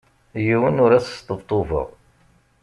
Yiwen ur as-sṭebṭubeɣ.